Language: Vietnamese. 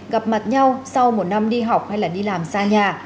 gặp mặt nhau sau một năm đi học hay là đi làm xa nhà